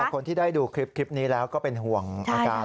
คนที่ได้ดูคลิปนี้แล้วก็เป็นห่วงอาการ